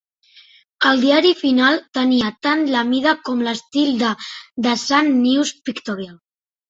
El diari final tenia tant la mida com l'estil de "The Sun News-Pictorial".